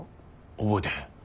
覚えてへん。